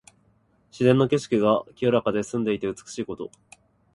自然の景色が清らかで澄んでいて美しいこと。